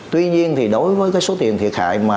tuy nhiên thì đối với cái số tiền thiệt hại mà